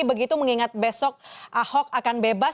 begitu mengingat besok ahok akan bebas